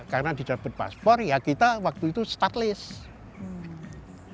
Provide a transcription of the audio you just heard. karena dicabut paspor ya kita waktu itu stateless